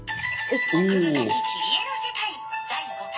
「奥深き切り絵の世界第５回」。